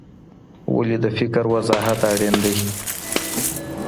ولي د فکر وضاحت اړین دی؟